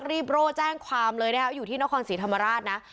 ล็อตเตอรี่โบร์แจ้งความเลยนะครับอยู่ที่นครศรีธรรมราชนะ